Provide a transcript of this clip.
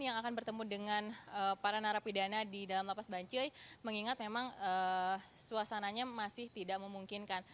yang akan bertemu dengan para narapidana di dalam lapas bancoi mengingat memang suasananya masih tidak memungkinkan